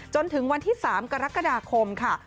จนถึงวันที่๓กรกฎาคมค่ะ